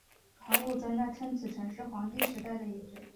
考古专家称此城是黄帝时代的遗址。